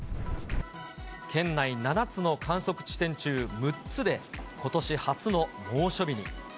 県内７つの観測地点中６つで、ことし初の猛暑日に。